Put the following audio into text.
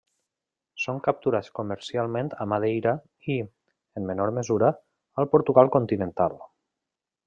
Són capturats comercialment a Madeira i, en menor mesura, al Portugal continental.